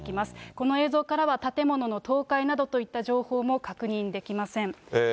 この映像からは建物の倒壊などといった情報も確認できません。